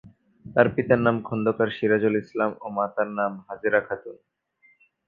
তার পিতার নাম খন্দকার সিরাজুল ইসলাম ও মাতার নাম হাজেরা খাতুন।